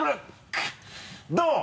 どう？